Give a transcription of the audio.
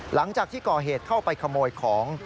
หลังจากที่ก่อเหตุเข้าไปขโมยของ